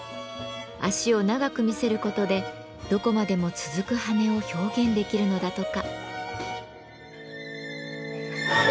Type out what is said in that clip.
脚を長く見せる事でどこまでも続く羽を表現できるのだとか。